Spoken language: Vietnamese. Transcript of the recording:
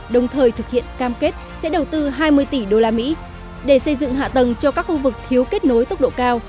đồng thời thực hiện cam kết sẽ đầu tư hai mươi tỷ usd để xây dựng hạ tầng cho các khu vực thiếu kết nối tốc độ cao